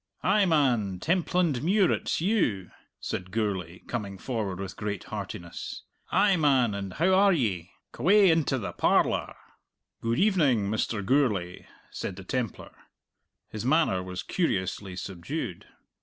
"Ay, man, Templandmuir, it's you!" said Gourlay, coming forward with great heartiness. "Ay, man, and how are ye? C'way into the parlour!" "Good evening, Mr. Gourlay," said the Templar. His manner was curiously subdued.